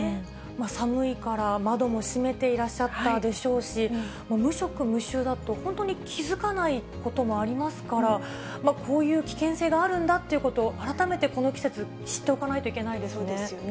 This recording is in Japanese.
寒いから窓も閉めていらっしゃったでしょうし、無色無臭だと、本当に気付かないこともありますから、こういう危険性があるんだということを、改めてこの季節、そうですよね。